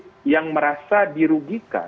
pemilu yang terkasih adalah penggunaan kekuatan